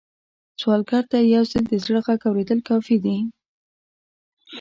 سوالګر ته یو ځل د زړه غږ اورېدل کافي دي